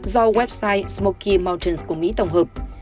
do website smoky mountains của mỹ tổng hợp